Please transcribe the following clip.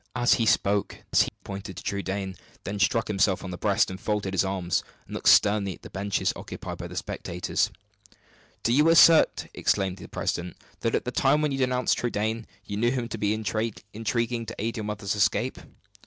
As he spoke, he pointed to Trudaine, then struck himself on the breast, then folded his arms, and looked sternly at the benches occupied by the spectators. "Do you assert," exclaimed the president, "that at the time when you denounced Trudaine, you knew him to be intriguing to aid your mother's escape?"